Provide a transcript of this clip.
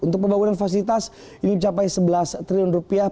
untuk pembangunan fasilitas ini mencapai sebelas triliun rupiah